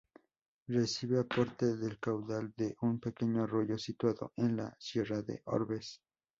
Recibe aporte del caudal de un pequeño arroyo, situado en la sierra de Orbes.